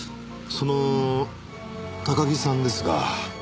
その高木さんですが。